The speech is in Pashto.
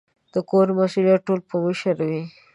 د کور مسؤلیت ټول په مشر وي